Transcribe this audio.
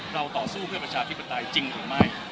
ต่อสู้เพื่อประชาธิปไตยจริงหรือไม่